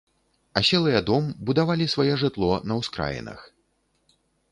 Аселыя дом будавалі сваё жытло на ўскраінах.